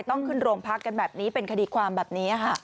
ต้องขึ้นโรงพักกันแบบนี้เป็นคดีความแบบนี้ค่ะ